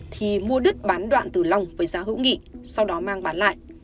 thì mua đứt bán đoạn từ long với giá hữu nghị sau đó mang bán lại